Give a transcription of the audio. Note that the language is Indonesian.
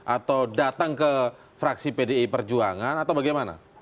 atau datang ke fraksi pdi perjuangan atau bagaimana